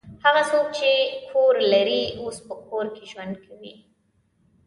هغه څوک چې کور لري اوس په کور کې ژوند کوي.